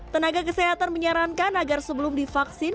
tenaga kesehatan menyarankan agar sebelum divaksin